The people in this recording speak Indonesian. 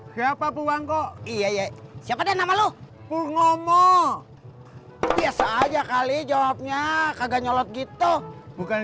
siapa buang kok iya ya siapa deh nama lu punggomo biasa aja kali jawabnya kagak nyolot gitu bukan